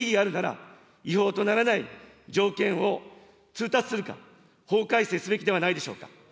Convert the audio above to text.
仮に違法性の疑義があるなら、違法とならない条件を通達するか、法改正すべきではないでしょうか。